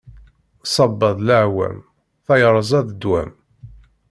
Ṣṣaba d leɛwam, tayerza d ddwam.